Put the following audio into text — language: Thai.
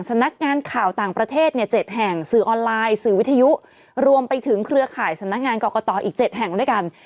สำนักงานข่าวต่างประเทศเนี่ย๗แห่งสื่อออนไลน์สื่อวิทยุรวมไปถึงเครือข่ายสำนักงานกรกตอีก๗แห่งด้วยกัน